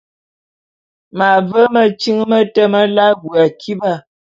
M’ave metyiñ mete melae abui akiba.